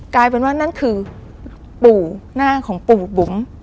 กลายเป็นว่านั่นคือปู่หน้าของปู่บุ๋ม